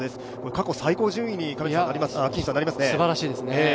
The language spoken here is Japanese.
過去最高順位になりますね。